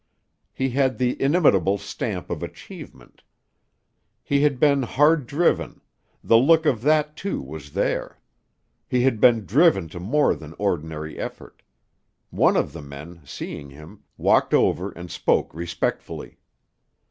He had the inimitable stamp of achievement. He had been hard driven the look of that, too, was there; he had been driven to more than ordinary effort. One of the men, seeing him, walked over and spoke respectfully.